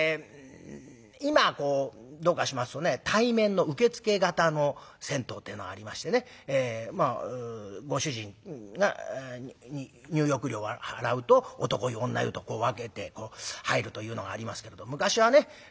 今どうかしますとね対面の受付型の銭湯ってえのありましてねご主人に入浴料を払うと男湯女湯とこう分けて入るというのがありますけれど昔はね